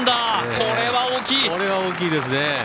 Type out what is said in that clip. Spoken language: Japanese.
これは大きいですね。